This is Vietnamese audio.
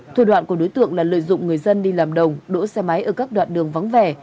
thủ đoạn của đối tượng là lợi dụng người dân đi làm đồng đỗ xe máy ở các đoạn đường vắng vẻ